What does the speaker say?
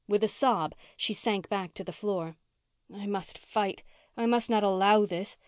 With a sob, she sank back to the floor. _I must fight. I must not allow this.